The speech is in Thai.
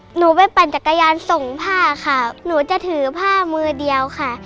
หนูไปปั่นจักรยานส่งผ้าค่ะหนูจะถือผ้ามือเดียวค่ะ